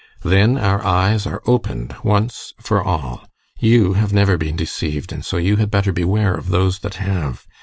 Then our eyes are opened once for all. You have never been deceived, and so you had better beware of those that have.